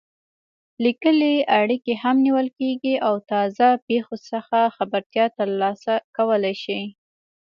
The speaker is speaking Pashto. لیکلې اړیکې هم نیول کېږي او تازه پېښو څخه خبرتیا ترلاسه کولای شي.